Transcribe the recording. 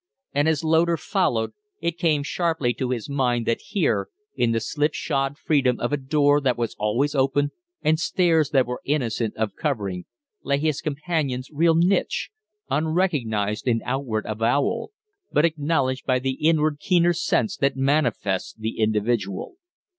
And as Loder followed, it came sharply to his mind that here, in the slipshod freedom of a door that was always open and stairs that were innocent of covering, lay his companion's real niche unrecognized in outward avowal, but acknowledged by the inward, keener sense that manifests the individual.